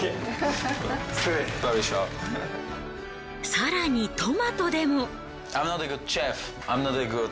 更にトマトでも。